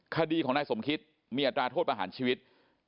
คดีของนายสมคิตมีอัตราโทษประหารชีวิต